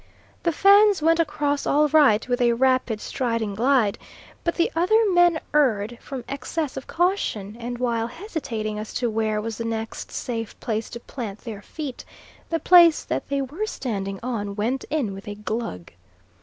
The Fans went across all right with a rapid striding glide, but the other men erred from excess of caution, and while hesitating as to where was the next safe place to plant their feet, the place that they were standing on went in with a glug.